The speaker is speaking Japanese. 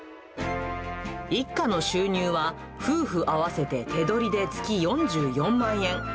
一家の収入は、夫婦合わせて手取りで月４４万円。